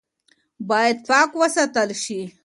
باید پاکه وساتل شي.